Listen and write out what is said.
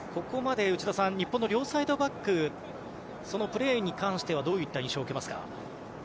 ここまで内田さん日本の両サイドバックそのプレーに関してはどういった印象を受けますか？